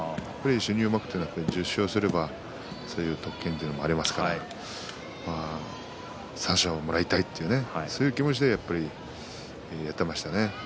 新入幕というのは１０勝すれば特典というのもありますから三賞もらいたいというねそういう気持ちでやっていましたね。